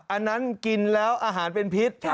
อันนั้นกินแล้วอาหารเป็นพิษ